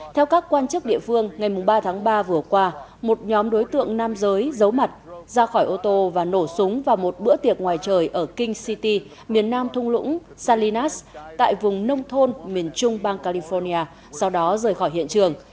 theo các quan chức địa phương ngày ba tháng ba vừa qua một nhóm đối tượng nam giới giấu mặt ra khỏi ô tô và nổ súng vào một bữa tiệc ngoài trời ở king city miền nam thung lũng salinas tại vùng nông thôn miền trung bang california sau đó rời khỏi hiện trường